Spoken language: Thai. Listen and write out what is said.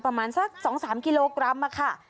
ประมานสักสองสามกิโลกรัม